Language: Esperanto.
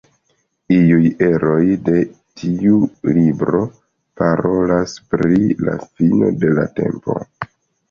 Iuj eroj de tiu libro parolas pri la fino de la tempo.